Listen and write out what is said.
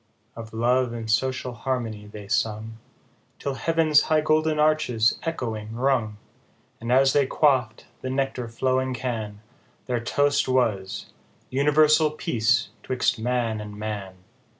Of love and social harmony they sung, Till heav'n's high golden arches echoing rung ; And as they quaff'd the nectar flowing can, Their toast was, " Universal peace 'twixt man and man."